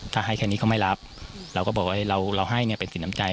ถ้าให้แค่นี้เขาไม่รับเราก็บอกว่าเราให้เป็นสินทรัพย์ใจ